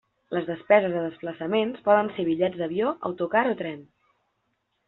Les despeses de desplaçaments poden ser bitllets d'avió, autocar o tren.